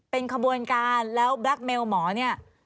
เป็นขบวนการแล้วแบล็คเมลหมอเนี่ย